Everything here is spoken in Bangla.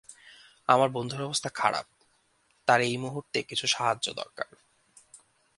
আমার বন্ধুর অবস্থা খারাপ তার এই মুহূর্তে কিছু সাহায্য দরকার।